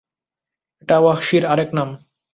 এটা ওয়াহ্শীর আরেক নাম।